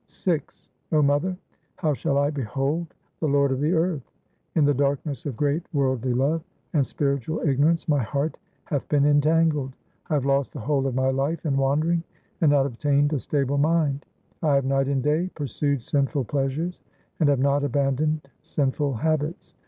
VI 0 mother, how shall I behold the Lord of the earth ? In the darkness of great worldly love and spiritual igno rance my heart hath been entangled ; 1 have lost the whole of my life in wandering, and not obtained a stable mind ; I have night and day pursued sinful pleasures, and have not abandoned sinful habits.